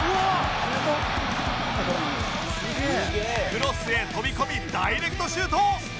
クロスで飛び込みダイレクトシュート！